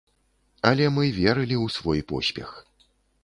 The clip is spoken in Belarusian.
Але мы верылі ў свой поспех.